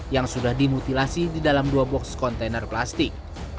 yang sudah dimutilasi di dalam dua box kontainer plastik